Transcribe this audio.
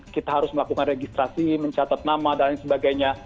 kita harus melakukan registrasi mencatat nama dan lain sebagainya